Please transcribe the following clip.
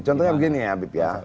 contohnya begini habib ya